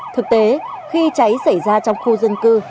thực tế khi cháy xảy ra trong khu dân cư